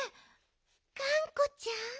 がんこちゃん。